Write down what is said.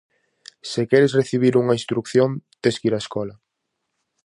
Se queres recibir unha instrución tes que ir á escola.